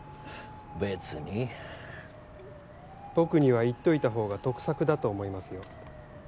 別に僕には言っといたほうが得策だと思いますよ